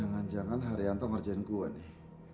jangan jangan haryanto ngerjain gue nih